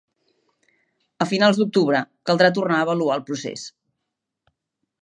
A finals d'octubre caldrà tornar a avaluar el procés.